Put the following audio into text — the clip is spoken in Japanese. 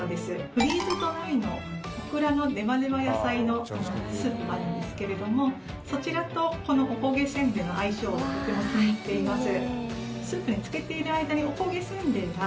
フリーズドライのオクラのねばねば野菜のスープがあるんですけれども、そちらとこのおこげせんべいの相性がとても気に入ってます。